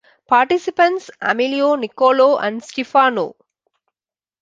Participants: Amelia, Nicolò, Stefano.